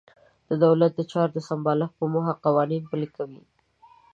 د دولت د چارو سمبالښت په موخه قوانین پلي کوي.